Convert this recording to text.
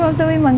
ở trên tròi trận